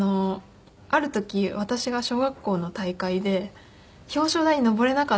ある時私が小学校の大会で表彰台に上れなかった時があったんですね。